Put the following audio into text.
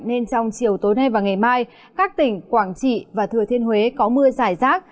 nên trong chiều tối nay và ngày mai các tỉnh quảng trị và thừa thiên huế có mưa giải rác